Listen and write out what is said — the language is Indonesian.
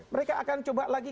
mereka akan coba lagi